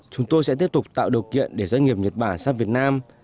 chúng tôi sẽ tiếp tục tạo điều kiện để doanh nghiệp nhật bản sang việt nam